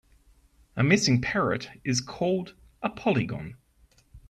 A missing parrot is called a polygon.